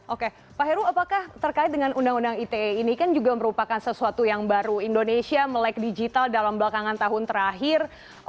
oke pak heru apakah terkait dengan undang undang ite ini kan juga merupakan sesuatu yang baru indonesia melek digital dalam belakangan tahun terakhir